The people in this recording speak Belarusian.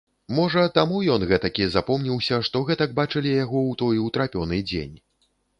Можа, таму ён гэтакі запомніўся, што гэтак бачылі яго ў той утрапёны дзень.